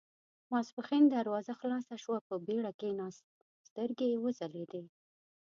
ماسپښين دروازه خلاصه شوه، په بېړه کېناست، سترګې يې وځلېدې.